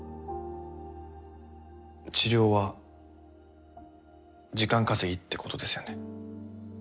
治療は時間稼ぎってことですよね？